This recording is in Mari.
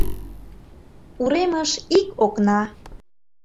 Уремыш ик окна.